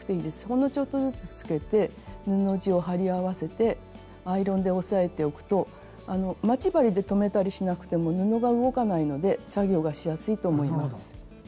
ほんのちょっとずつつけて布地を貼り合わせてアイロンで押さえておくと待ち針で留めたりしなくても布が動かないので作業がしやすいと思います。